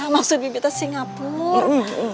maksud bibi itu singapur